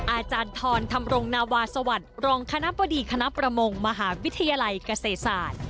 อาจารย์ทรธรรมรงนาวาสวัสดิ์รองคณะบดีคณะประมงมหาวิทยาลัยเกษตรศาสตร์